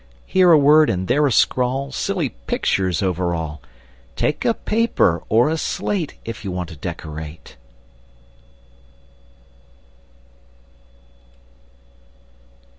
Here a word, and there a scrawl, Silly pictures over all! Take a paper, or a slate, If you want to decorate!